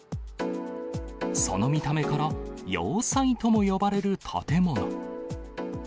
その見た目から、要塞とも呼ばれる建物。